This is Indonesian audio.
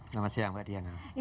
selamat siang pak diana